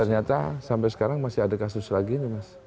ternyata sampai sekarang masih ada kasus lagi nih mas